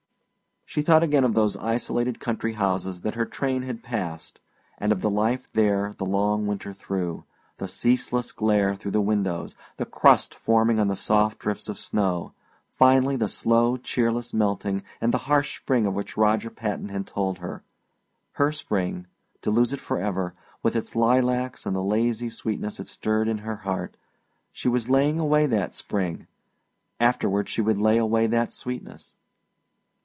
She thought again of those isolated country houses that her train had passed, and of the life there the long winter through the ceaseless glare through the windows, the crust forming on the soft drifts of snow, finally the slow cheerless melting and the harsh spring of which Roger Patton had told her. Her spring to lose it forever with its lilacs and the lazy sweetness it stirred in her heart. She was laying away that spring afterward she would lay away that sweetness.